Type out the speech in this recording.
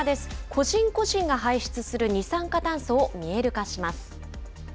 個人個人が排出する二酸化炭素を見える化します。